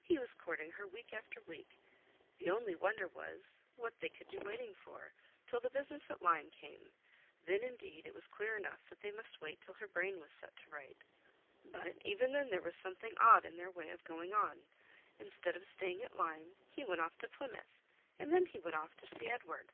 He was courting her week after week. The only wonder was, what they could be waiting for, till the business at Lyme came; then, indeed, it was clear enough that they must wait till her brain was set to right. But even then there was something odd in their way of going on. Instead of staying at Lyme, he went off to Plymouth, and then he went off to see Edward.